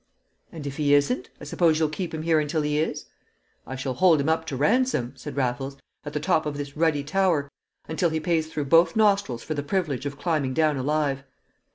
"And if he isn't, I suppose you'll keep him here until he is?" "I shall hold him up to ransom," said Raffles, "at the top of this ruddy tower, until he pays through both nostrils for the privilege of climbing down alive."